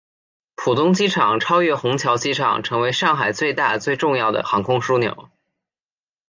浦东机场超越虹桥机场成为上海最大最重要的航空枢纽。